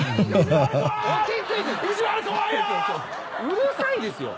うるさいですよ。